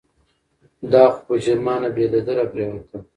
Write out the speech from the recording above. دا خو بهٔ چې مانه بېلېده راپرېوته